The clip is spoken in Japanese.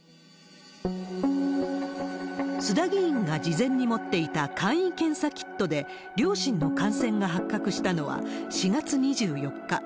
須田議員が事前に持っていた簡易検査キットで、両親の感染が発覚したのは４月２４日。